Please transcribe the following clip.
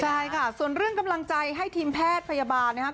ใช่ค่ะส่วนเรื่องกำลังใจให้ทีมแพทย์พยาบาลนะครับ